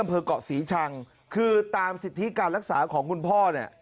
เกาะศรีชังคือตามสิทธิการรักษาของคุณพ่อเนี่ย